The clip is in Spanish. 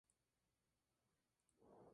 Ficha del Congreso de los Diputados.